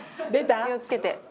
気を付けて。